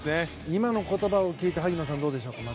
今の言葉を聞いて萩野さん、どうでしょう？